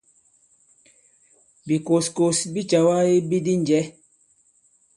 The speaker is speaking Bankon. Bìkòskòs bi càwa ibi di njɛ̌.